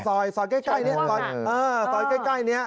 ซอยใกล้นี้ซอยใกล้นี้